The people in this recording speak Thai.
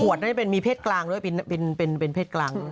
หัวได้เป็นมีเพศกลางด้วยเป็นเพศกลาง